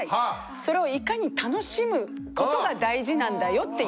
それをいかに楽しむことが大事なんだよっていう。